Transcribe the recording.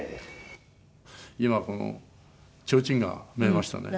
今このちょうちんが見えましたね。